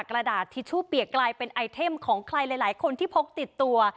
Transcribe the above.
กระดาษทิชชู่เปียกกลายเป็นไอเทมของใครหลายคนที่พกติดตัว